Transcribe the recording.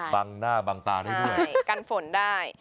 บังหน้าบังตาได้ด้วยกันฝนได้